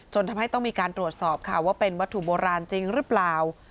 ทำให้ต้องมีการตรวจสอบค่ะว่าเป็นวัตถุโบราณจริงหรือเปล่า